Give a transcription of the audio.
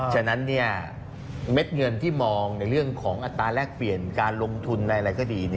ฉะนั้นเม็ดเงินที่มองในเรื่องของอัตราแรกเปลี่ยนการลงทุนอะไรก็ดี